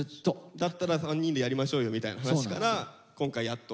だったら３人でやりましょうよみたいな話から今回やっと。